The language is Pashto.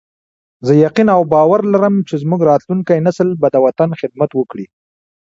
زه یقین او باور لرم چې زموږ راتلونکی نسل به د وطن خدمت وکړي